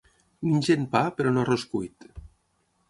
Mengen pa, però no arròs cuit.